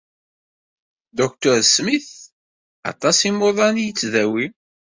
Dr Smith aṭas imuḍan i yettdawi.